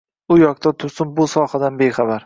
U yoqda tursin, o‘z sohasidan bexabar.